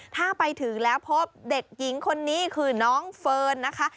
ถ้าไปถึงแล้วพบเด็กหญิงคนนี้คือน้องเฟิร์นนะคะ